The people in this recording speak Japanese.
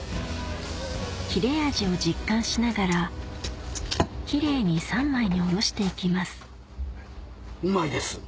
切れ味を実感しながらキレイに三枚におろして行きますうまいです！